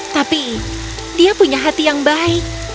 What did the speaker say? tapi dia punya hati yang baik